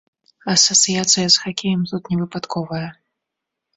Асацыяцыя з хакеем тут невыпадковая.